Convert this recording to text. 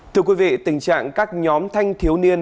thưa quý vị tình trạng các nhóm thanh thiếu niên